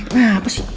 enta apa sih